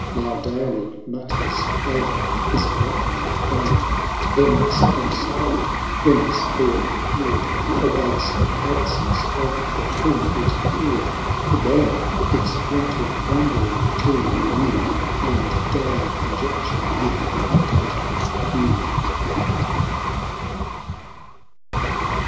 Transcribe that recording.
Now daily mutters o'er his blackened fame ; Then sudden silent when his form ap peared, Awaits the absence of the thing it feared. Again its wonted wondering to re new, 770 And dye conjecture with a darker hue.